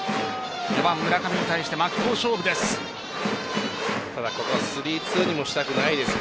４番・村上に対して真っ向勝負です。